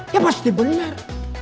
ya pasti benar